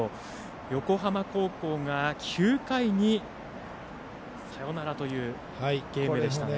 横浜高校が９回にサヨナラというゲームでした。